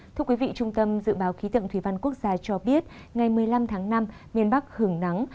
thưa quý vị trung tâm dự báo khí tượng thủy văn quốc gia cho biết ngày một mươi năm tháng năm miền bắc hưởng nắng